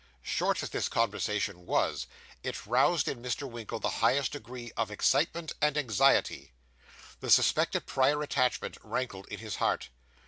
Short as this conversation was, it roused in Mr. Winkle the highest degree of excitement and anxiety. The suspected prior attachment rankled in his heart.